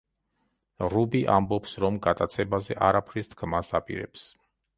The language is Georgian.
რუბი ამბობს, რომ გატაცებაზე არაფრის თქმას აპირებს.